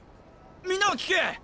みんな聞け！